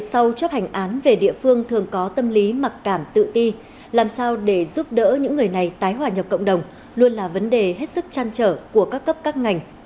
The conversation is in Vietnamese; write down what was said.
sau chấp hành án về địa phương thường có tâm lý mặc cảm tự ti làm sao để giúp đỡ những người này tái hòa nhập cộng đồng luôn là vấn đề hết sức trăn trở của các cấp các ngành